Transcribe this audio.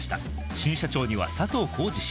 新社長には佐藤恒治氏